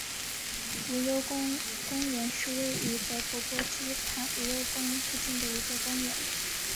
无忧宫公园是位于德国波茨坦无忧宫附近的一座公园。